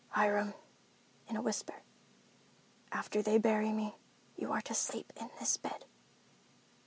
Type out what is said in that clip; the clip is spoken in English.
"Hiram"—in a whisper—"after they bury me, you are to sleep in this bed."